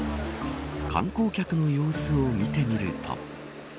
観光客の様子を見てみると。